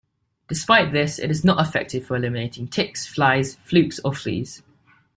Despite this, it is not effective for eliminating ticks, flies, flukes, or fleas.